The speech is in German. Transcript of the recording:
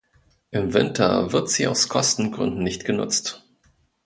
Im Winter wird sie aus Kostengründen nicht genutzt.